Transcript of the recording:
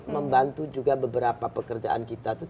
membantu juga beberapa pekerjaan kita itu